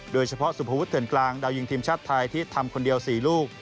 โดยเฉพาะสุภวุฒเถื่อนกลางดาวยิงทีมชาติไทยที่ทำคนเดียว๔ลูก